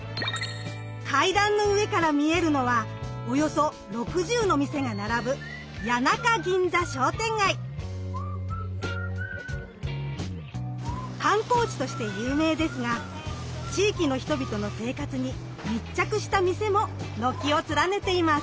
階段の上から見えるのはおよそ６０の店が並ぶ観光地として有名ですが地域の人々の生活に密着した店も軒を連ねています。